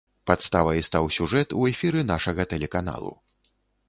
Падставай стаў сюжэт у эфіры нашага тэлеканалу.